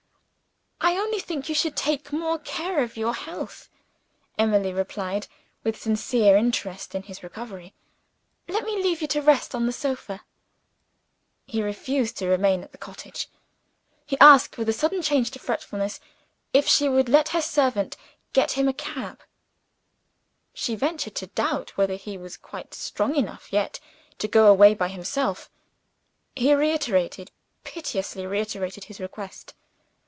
"I only think you should take more care of your health," Emily replied, with sincere interest in his recovery. "Let me leave you to rest on the sofa." He refused to remain at the cottage he asked, with a sudden change to fretfulness, if she would let her servant get him a cab. She ventured to doubt whether he was quite strong enough yet to go away by himself. He reiterated, piteously reiterated, his request.